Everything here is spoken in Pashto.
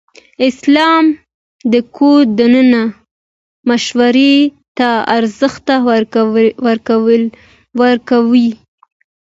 اسلام د کور دننه مشورې ته ارزښت ورکوي.